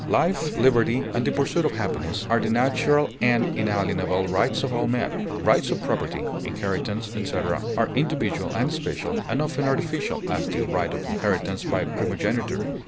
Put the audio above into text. "Life, liberty, and the pursuit of happiness" are the natural and inalienable rights of all men; rights of property, inheritance, etc., are individual and special, and often artificial, as the right of inheritance by primogeniture.